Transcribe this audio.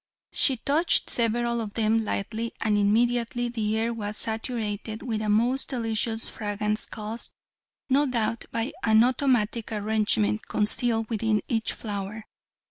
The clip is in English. She touched several of them lightly and immediately the air was saturated with a most delicious fragrance caused, no doubt, by an automatic arrangement concealed within each flower.